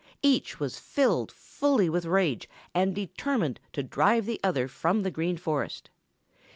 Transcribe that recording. Each was filled fully with rage and determined to drive the other from the Green Forest.